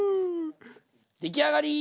出来上がり！